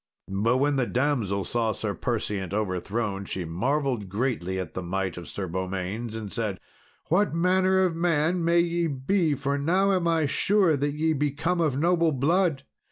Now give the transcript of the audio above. But when the damsel saw Sir Perseant overthrown, she marvelled greatly at the might of Sir Beaumains, and said, "What manner of man may ye be, for now am I sure that ye be come of noble blood?